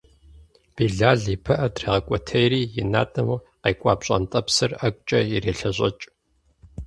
Билал и пыӏэр дрегъэкӏуэтейри и натӏэм къекӏуа пщӏантӏэпсыр ӏэгукӏэ ирелъэщӏэкӏ.